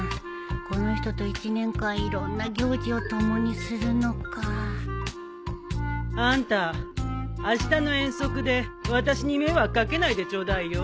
この人と一年間いろんな行事を共にするのかあんたあしたの遠足で私に迷惑掛けないでちょうだいよ。